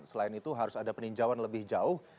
selain itu harus ada peninjauan lebih jauh